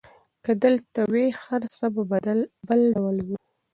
که ته دلته وای، هر څه به بل ډول وو.